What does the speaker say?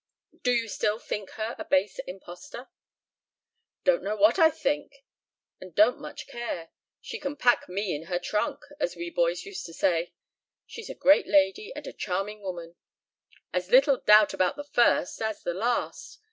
"Do you still think her a base impostor?" "Don't know what I think and don't much care. She can pack me in her trunk, as we boys used to say. She's a great lady and a charming woman; as little doubt about the first as the last.